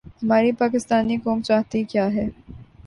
ہماری پاکستانی قوم چاہتی کیا ہے؟